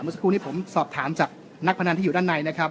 สักครู่นี้ผมสอบถามจากนักพนันที่อยู่ด้านในนะครับ